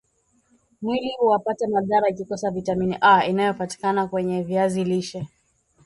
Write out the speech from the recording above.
mwili huapata madhara ikikosa viatamin A inayopatikana kwenye viazi lishe